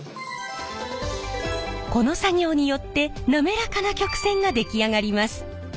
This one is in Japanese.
この作業によって滑らかな曲線が出来上がります。